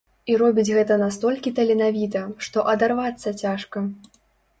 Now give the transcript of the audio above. І робіць гэта настолькі таленавіта, што адарвацца цяжка.